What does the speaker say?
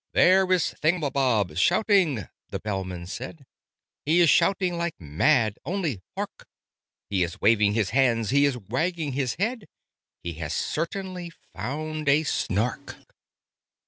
"There is Thingumbob shouting!" the Bellman said, "He is shouting like mad, only hark! He is waving his hands, he is wagging his head, He has certainly found a Snark!"